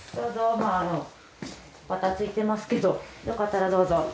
まあバタついてますけどよかったらどうぞ。